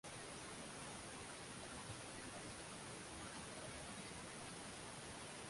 yao ya kidini iliyojikita katika Uislamu salamu